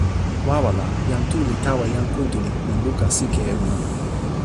wawa la, jan Tu li tawa jan Kuntuli, li luka sike e ona.